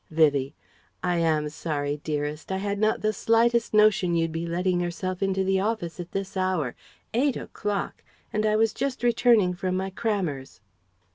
Vivie: "I am sorry, dearest. I had not the slightest notion you would be letting yourself into the office at this hour 8 o'clock and I was just returning from my crammers..."